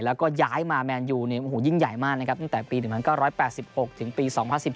แล้วก็ย้ายมาแมนยูยิ่งใหญ่มากตั้งแต่ปี๑๙๘๖๒๐๑๓